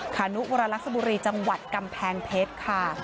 คานุวรรลักษบุรีจังหวัดกำแพงเพชรค่ะ